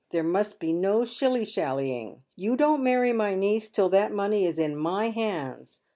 There must be no shilly shallying. You don't marry my niece till that money is in my hands.